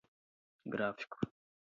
gráfico